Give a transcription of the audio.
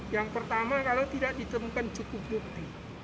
yang pertama kalau tidak ditemukan cukup bukti